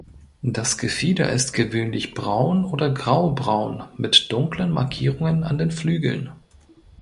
Das Gefieder ist gewöhnlich braun oder graubraun mit dunklen Markierungen an den Flügeln.